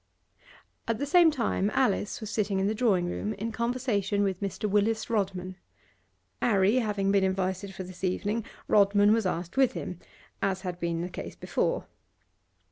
At the same time Alice was sitting in the drawing room, in conversation with Mr. Willis Rodman. 'Arry having been invited for this evening, Rodman was asked with him, as had been the case before.